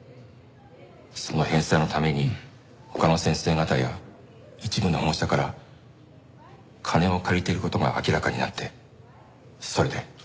その返済のために他の先生方や一部の保護者から金を借りている事が明らかになってそれで。